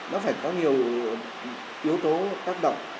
nó phải có nhiều yếu tố tác động